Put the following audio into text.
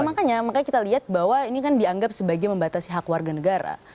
makanya makanya kita lihat bahwa ini kan dianggap sebagai membatasi hak warga negara